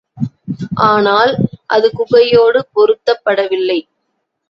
ஆனால், அது குகையோடு பொருத்தப்படவில்லை.